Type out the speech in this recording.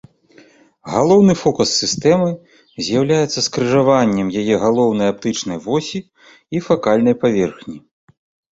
Галоўны фокус сістэмы з'яўляецца скрыжаваннем яе галоўнай аптычнай восі і факальнай паверхні.